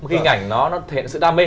hình ảnh nó thể hiện sự đam mê